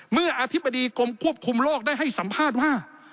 อธิบดีกรมควบคุมโรคได้ให้สัมภาษณ์ว่า